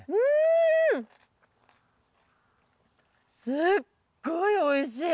すっごいおいしい。